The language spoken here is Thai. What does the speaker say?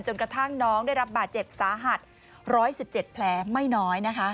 กระทั่งน้องได้รับบาดเจ็บสาหัส๑๑๗แผลไม่น้อยนะคะ